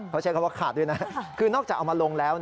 เขาใช้คำว่าค่ะด้วยนะฮะ